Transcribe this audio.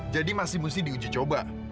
jadi masih mesti diuji coba